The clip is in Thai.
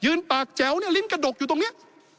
ยืนปากแจ๋วลิ้นกระดกอยู่ตรงเนี่ย